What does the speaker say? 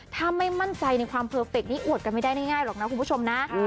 ถ้าไม่มั่นใจในความเพอร์เฟคนี้อวดกันไม่ได้ง่ายหรอกนะคุณผู้ชมนะ